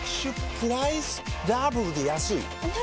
プライスダブルで安いＮｏ！